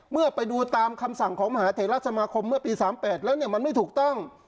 เมื่อไปดูตามคำสั่งของมหาเทราสมาคมเมื่อปี๓๘แล้วมันไม่ถูกต้อง